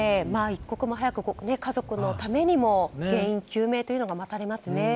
一刻も早く家族のためにも原因究明というのが待たれますね。